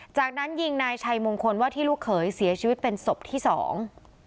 จากนั้นยิงนายชัยมงคลว่าที่ลูกเขยเสียชีวิตเป็นศพที่สอง